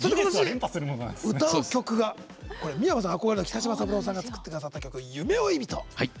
歌う曲が、三山さん憧れの北島三郎さんが作ってくださった曲「夢追い人」。